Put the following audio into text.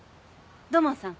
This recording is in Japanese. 土門さん